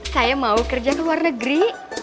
saya mau kerja ke luar negeri